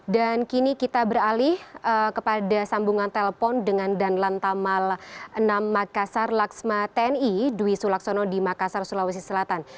dan kini kita beralih kepada sambungan telepon dengan dan lantamal enam makassar laksma tni dwi sulaksono di makassar sulawesi selatan